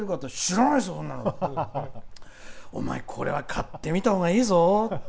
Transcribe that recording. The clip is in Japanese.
お前、これは買ってみたほうがいいぞ！